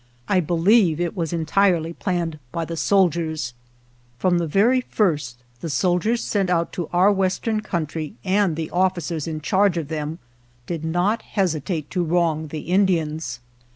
I believe it was entirely planned by the soldiers. From 3 the very first the soldiers sent out to our western country, and the officers in charge of them, did not hesitate to wrong the Indians.